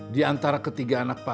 di antara ketiga anak pak